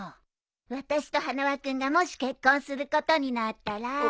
私と花輪君がもし結婚することになったら。